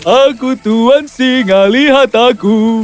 aku tuhan singa lihat aku